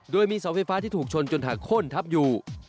โดยมีเสาไฟฟ้าที่ถูกชนจนหักโค้นทับอยู่